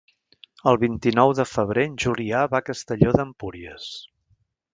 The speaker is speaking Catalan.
El vint-i-nou de febrer en Julià va a Castelló d'Empúries.